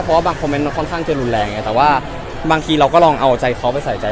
เพราะว่าบางคอมเมนต์มันค่อนข้างจะรุนแรงไงแต่ว่าบางทีเราก็ลองเอาใจเขาไปใส่ใจ